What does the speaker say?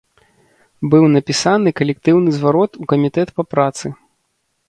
Быў напісаны калектыўны зварот у камітэт па працы.